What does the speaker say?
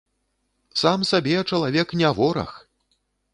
Сам сабе чалавек не вораг!